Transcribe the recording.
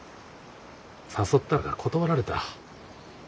誘ったが断られた。